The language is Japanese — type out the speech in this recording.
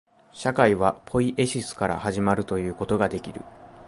社会はポイエシスから始まるということができる。